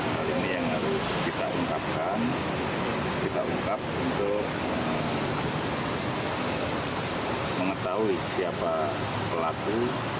hal ini yang harus kita ungkapkan kita ungkap untuk mengetahui siapa pelaku